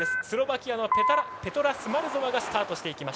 スロバキアのペトラ・スマルゾワがスタート。